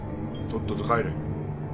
とっとと帰れ。